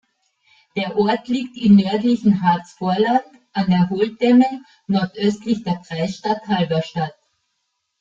Der Ort liegt in nördlichen Harzvorland an der Holtemme, nordöstlich der Kreisstadt Halberstadt.